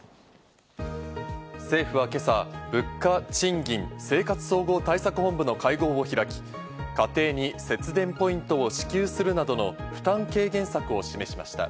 政府は今朝、物価・賃金・生活総合対策本部の会合を開き、家庭に節電ポイントを支給するなどの負担軽減策を示しました。